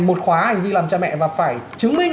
một khóa hành vi làm cha mẹ và phải chứng minh